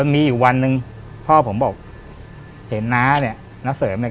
มีอยู่วันหนึ่งพ่อผมบอกเห็นน้าเนี่ยน้าเสริมเนี่ย